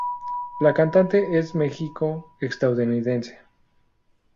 La cantante es mexico-estadounidense.